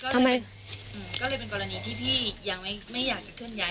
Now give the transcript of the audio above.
ทำไมก็เลยเป็นกรณีที่พี่ยังไม่อยากจะเคลื่อนย้าย